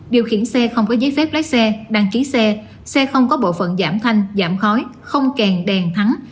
điều khiển xe không có giấy phép lái xe đăng ký xe xe không có bộ phận giảm thanh giảm khói không kèm đèn thắng